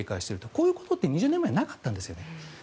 こういうことって２０年前なかったんです。